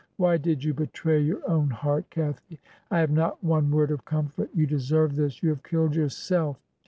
Why did you betray your own heart, Cathy? I have not one word of comfort You deserve this. You have killed yourself.